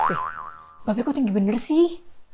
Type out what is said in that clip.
eh babek kok tinggi bener sih